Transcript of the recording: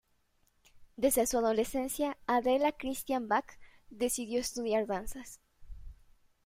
Desde su adolescencia, Adela Christian Bach decidió estudiar danzas.